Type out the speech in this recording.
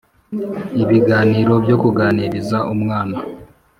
ibiganiro byo kuganiriza umwana.